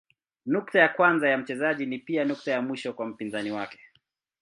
Nukta ya kwanza ya mchezaji ni pia nukta ya mwisho wa mpinzani wake.